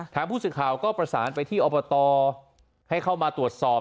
ผู้สื่อข่าวก็ประสานไปที่อบตให้เข้ามาตรวจสอบ